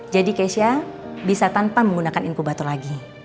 jadi keisha bisa tanpa menggunakan inkubator lagi